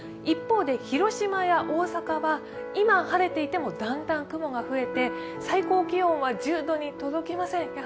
一方で広島や大阪は今、晴れていてもだんだん雲が増えて最高気温は１０度に届きません。